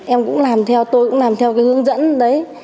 em cũng làm theo tôi cũng làm theo cái hướng dẫn đấy